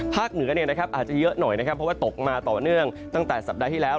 เหนืออาจจะเยอะหน่อยนะครับเพราะว่าตกมาต่อเนื่องตั้งแต่สัปดาห์ที่แล้ว